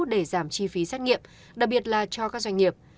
để giảm chi phí xét nghiệm đặc biệt là cho các doanh nghiệp